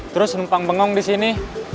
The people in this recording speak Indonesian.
terus numpang bengong disini